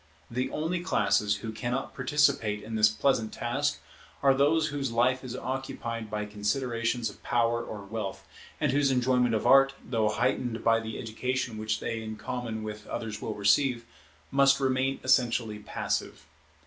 The only classes who cannot participate in this pleasant task are those whose life is occupied by considerations of power or wealth, and whose enjoyment of Art, though heightened by the education which they in common with others will receive, must remain essentially passive.